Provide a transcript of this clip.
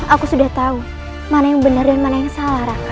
aku sudah tahu mana yang benar dan mana yang salah